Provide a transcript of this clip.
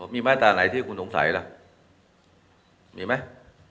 มีมาตราไหนที่คุณสงสัยล่ะมีไหม